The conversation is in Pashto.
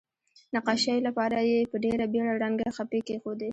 نقاشۍ لپاره یې په ډیره بیړه رنګه خپې کیښودې.